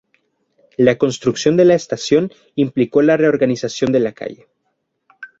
La construcción de la estación implicó la reorganización de la calle.